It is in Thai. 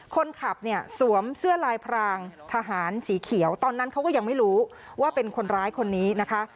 คนขับเนี่ยสวมเสื้อลายพรางทหารสีเขียวตอนนั้นเขาก็ยังไม่รู้ว่าเป็นคนร้ายคนนี้นะคะ